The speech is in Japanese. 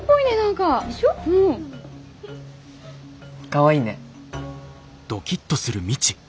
かわいいね。